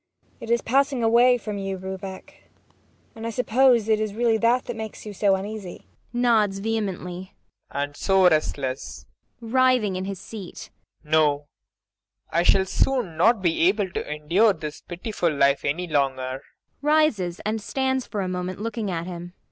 It is passing away from you, Rubek. And I suppose it is really that that makes you so uneasy PROFESSOR RUBEK. [Nods vehemently.] And so restless! [Writhing in his seat.] No, I shall soon not be able to endure this pitiful life any longer. MAIA. [Rises and stands for a moment looking at him.